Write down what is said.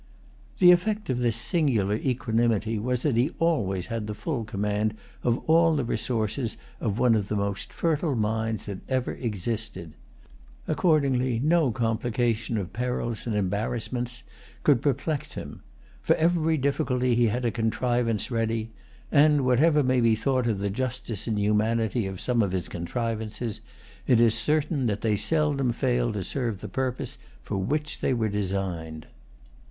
The effect of this singular equanimity was that he always had the full command of all the resources of one of the most fertile minds that ever existed. Accordingly no complication of perils and embarrassments could perplex[Pg 198] him. For every difficulty he had a contrivance ready; and, whatever may be thought of the justice and humanity of some of his contrivances, it is certain that they seldom failed to serve the purpose for which they were designed.